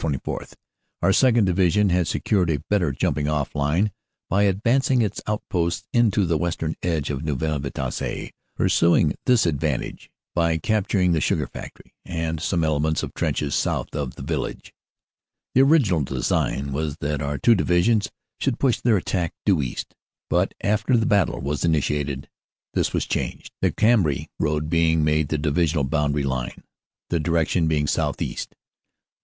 24, our 2nd. Divi sion had secured a better jumping off line by advancing its outposts into the western edge of Neuville Vitasse, pursuing this advantage by capturing the Sugar Factory and some elements of trenches south of the village. The original design was that our two Divisions should push their attack due east, but after the battle was initiated this was changed, the Cambrai road being made the Divisional bound 122 OPERATIONS: AUG. 26 27 123 ary line, the direction being southeast.